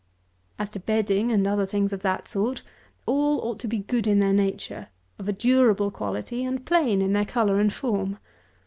As to bedding, and other things of that sort, all ought to be good in their nature, of a durable quality, and plain in their colour and form.